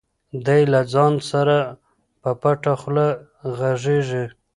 دی له ځان سره په پټه خوله غږېږي.